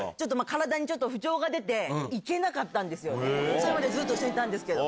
それまでずっと一緒にいたんですけど。